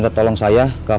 siapa yang kamu mau bawa